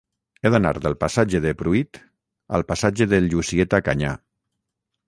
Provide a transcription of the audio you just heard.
He d'anar del passatge de Pruit al passatge de Llucieta Canyà.